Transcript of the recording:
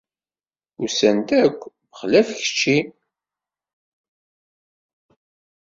Ussan-d akk, bexlaf kečči